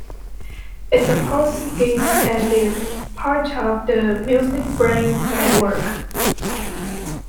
It supports skins and is part of the MusicBrainz network.